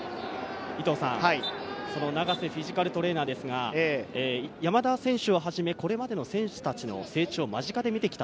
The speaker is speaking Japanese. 長瀬フィジカルトレーナーですが、山田選手をはじめ、これまでの選手たちの成長を間近で見てきた。